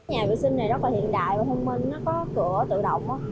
nhà vệ sinh này rất là hiện đại và thông minh nó có cửa tự động